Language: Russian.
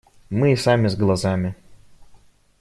Мы и сами с глазами.